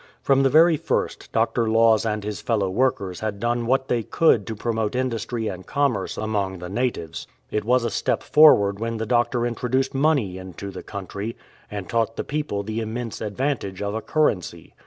From the very first. Dr. Laws and his fellow workers had done what they could to promote industry and commerce among the natives. It was a step forward when the Doctor intro duced money into the country, and taught the people the immense advantage of a currency.